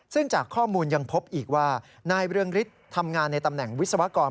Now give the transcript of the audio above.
ซึ่งจากข้อมูลยังพบอีกว่านายเรืองฤทธิ์ทำงานในตำแหน่งวิศวกร